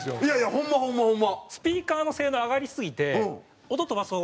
ホンマホンマホンマ！